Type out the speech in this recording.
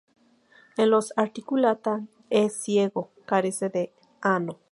En los Articulata, es ciego, carece de ano.